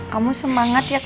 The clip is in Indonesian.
kamu semangat ya kami